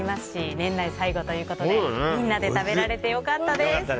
年内最後ということでみんなで食べられてよかったです。